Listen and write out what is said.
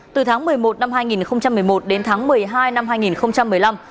từ tháng một mươi một năm hai nghìn một mươi một đến tháng một mươi hai năm hai nghìn một mươi năm